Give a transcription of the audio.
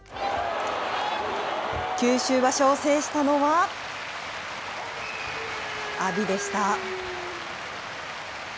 九州場所を制したのは、阿炎でした。